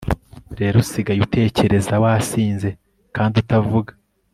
rero, usigaye utekereza, wasinze, kandi utavuga